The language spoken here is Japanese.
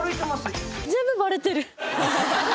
全部バレてる。